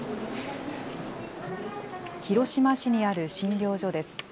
広島市にある診療所です。